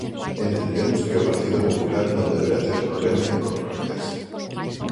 Entendemos que o Partido Popular non debera ter problema en comprometerse.